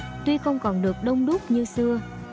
ở phú an hôm nay tuy không còn được đông đúc như xưa